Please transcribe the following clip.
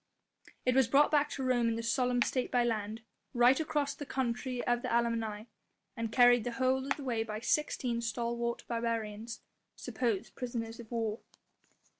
It was brought back to Rome in solemn state by land, right across the country of the Allemanni and carried the whole of the way by sixteen stalwart barbarians supposed prisoners of war.